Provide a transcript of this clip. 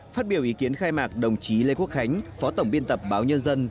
phát biểu ý kiến khai mạc đồng chí lê quốc khánh phó tổng biên tập báo nhân dân